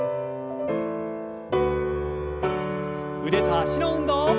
腕と脚の運動。